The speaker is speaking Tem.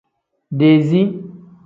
Dezii.